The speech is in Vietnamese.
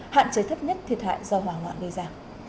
hạn cháy thấp nhất thiệt hại do hòa ngoạn đưa ra